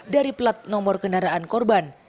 dari plat nomor kendaraan korban